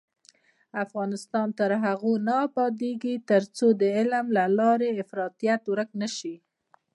افغانستان تر هغو نه ابادیږي، ترڅو د علم له لارې افراطیت ورک نشي.